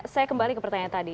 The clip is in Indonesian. saya kembali ke pertanyaan tadi